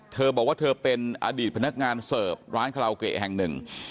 เธอบอกว่าเธอเป็นอดีตพนักงานเสิร์ฟร้านคาราโอเกะแห่งหนึ่ง